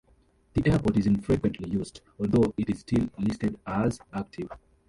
The airport is infrequently used, although it is still listed as active.